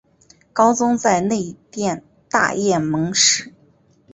高宗在内殿大宴蒙使。